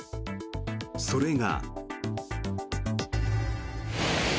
それが。